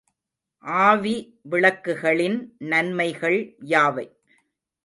ஆவிவிளக்குகளின் நன்மைகள் யாவை?